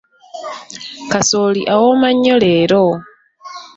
Kasooli awooma nnyo leero.